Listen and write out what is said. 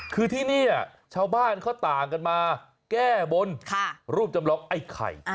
คือที่นี่ชาวบ้านเขาต่างกันมาแก้บนรูปจำลองไอ้ไข่